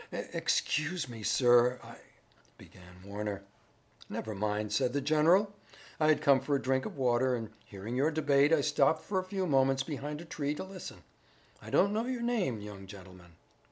"Excuse me, sir, I " began Warner. "Never mind," said the general. "I had come for a drink of water, and hearing your debate I stopped for a few moments behind a tree to listen. I don't know your name, young gentleman."